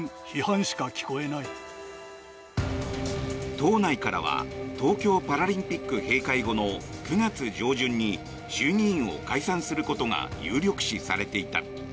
党内からは東京パラリンピック閉会後の９月上旬に衆議院を解散することが有力視されていた。